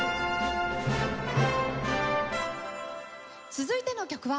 続いての曲は。